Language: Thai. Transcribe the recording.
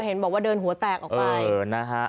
เห็นบอกว่าเดินหัวแตกออกไปนะฮะ